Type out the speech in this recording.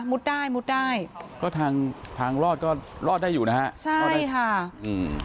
ได้มุดได้ก็ทางทางรอดก็รอดได้อยู่นะฮะใช่รอดได้ค่ะอืม